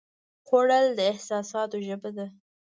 خوړل د احساساتو ژبه ده